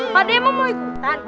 pak d emang mau ikutan